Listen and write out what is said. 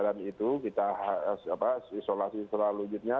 dan itu kita isolasi setelah lunjutnya